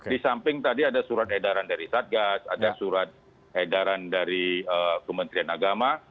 di samping tadi ada surat edaran dari satgas ada surat edaran dari kementerian agama